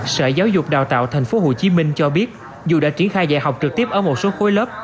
sở giáo dục đào tạo tp hcm cho biết dù đã triển khai dạy học trực tiếp ở một số khối lớp